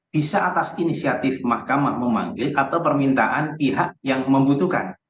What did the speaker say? bisa atas inisiatif mahkamah memanggil atau permintaan pihak yang membutuhkan